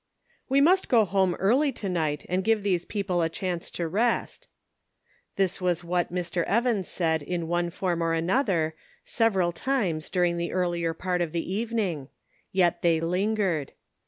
must go home early to night and give ; these people a chance to rest." This was what Mr. Evans said in one form or another, several times during the earlier part of the evening ; yet they lingered.